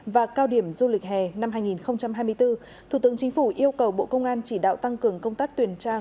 và cao điểm du lịch hè năm hai nghìn hai mươi bốn thủ tướng chính phủ yêu cầu bộ công an chỉ đạo tăng cường công tác tuyển tra